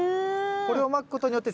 これをまくことによって？